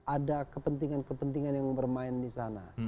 ada kepentingan kepentingan yang bermain di sana